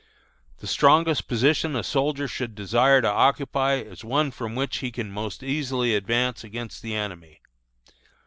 "The strongest position a soldier should desire to occupy is one from which he can most easily advance against the enemy.